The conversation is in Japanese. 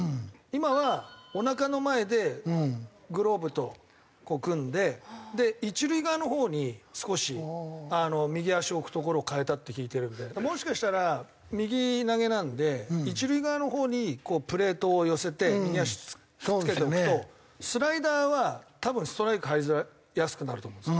今はおなかの前でグローブとこう組んで一塁側のほうに少し右足置く所を変えたって聞いてるんでもしかしたら右投げなんで一塁側のほうにプレートを寄せて右足くっつけておくとスライダーは多分ストライク入りやすくなると思うんですよ